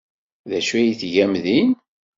D acu ay tgam din?